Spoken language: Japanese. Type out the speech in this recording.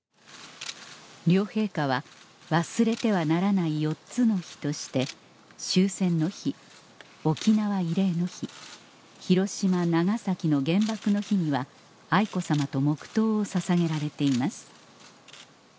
両陛下は忘れてはならない４つの日として終戦の日沖縄慰霊の日広島長崎の原爆の日には愛子さまと黙とうをささげられています